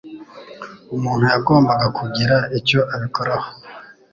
Umuntu yagombaga kugira icyo abikoraho.